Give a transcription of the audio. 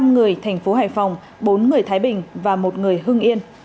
năm người thành phố hải phòng bốn người thái bình và một người hưng yên